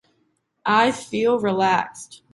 I feel relaxed.